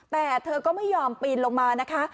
แต่เธอก็ไม่ยอมปีนลงมานะคะ